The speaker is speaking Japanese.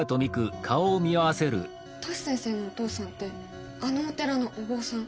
トシ先生のお父さんってあのお寺のお坊さん？